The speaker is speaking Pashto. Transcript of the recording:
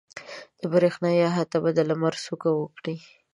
د برېښنا احاطه به د لمر څوک وکړي.